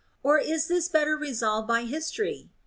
Or is this better resolved by history